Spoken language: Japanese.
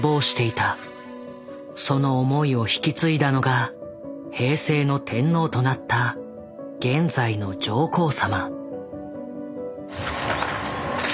その思いを引き継いだのが平成の天皇となった現在の上皇様。